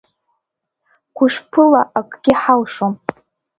Гәышԥыла акгьы ҳалшом.